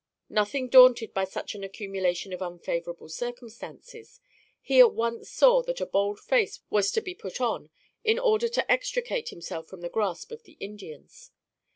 Nothing daunted by such an accumulation of unfavorable circumstances, he at once saw that a bold face was to be put on in order to extricate himself from the grasp of the Indians.